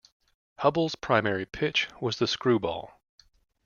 Hubbell's primary pitch was the screwball.